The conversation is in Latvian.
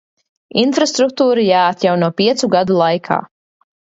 Infrastruktūra jāatjauno piecu gadu laikā.